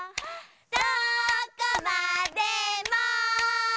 どこまでも」